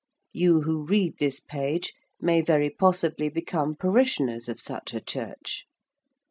You who read this page may very possibly become parishioners of such a church.